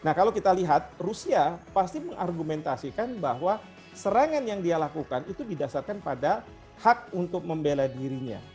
nah kalau kita lihat rusia pasti mengargumentasikan bahwa serangan yang dia lakukan itu didasarkan pada hak untuk membela dirinya